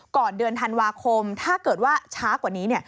เดือนธันวาคมถ้าเกิดว่าช้ากว่านี้